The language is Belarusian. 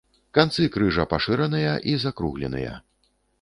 Канцы крыжа пашыраныя і закругленыя.